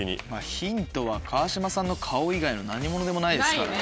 ヒントは川島さんの顔以外の何ものでもないですからね。